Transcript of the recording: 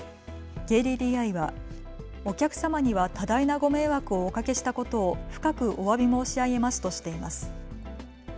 ＫＤＤＩはお客様には多大なご迷惑をおかけしたことを深くおわび申し上げますとしています。